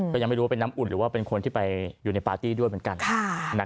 ก็ยังไม่รู้ว่าเป็นน้ำอุ่นหรือว่าเป็นคนที่ไปอยู่ในปาร์ตี้ด้วยเหมือนกัน